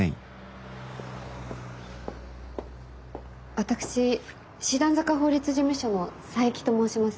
私師団坂法律事務所の佐伯と申します。